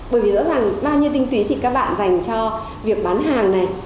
bởi vì rõ ràng bao nhiêu tinh túy thì các bạn dành cho việc bán hàng này